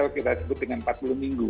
kita sebut dengan empat puluh minggu